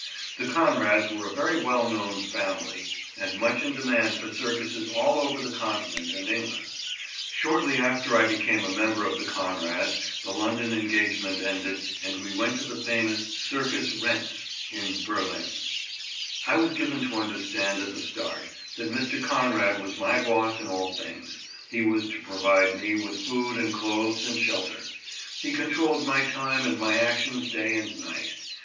The Conrads were a very well known "family" and much in demand for circuses all over the Continent and England. Shortly after I became a member of the Conrads the London engagement ended and we went to the famous Circus Rentz in Berlin. [Illustration: "EVERY STEP IN THE MAKING OF A CLOWN IS HARD WORK."] I was given to understand at the start that Mr. Conrad was my boss in all things. He was to provide me with food and clothes and shelter. He controlled my time and my actions day and night.